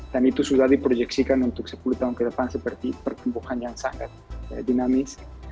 dan itu sudah diprojeksikan untuk sepuluh tahun ke depan seperti pertumbuhan yang sangat dinamis